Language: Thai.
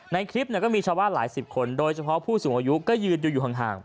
ในคลิปก็มีชาวบ้านหลายสิบคนโดยเฉพาะผู้สูงอายุก็ยืนดูอยู่ห่าง